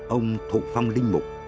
ông thuộc phong linh mục